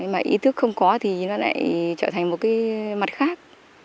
mà ý thức không có thì nó lại trở thành một cái mặt khác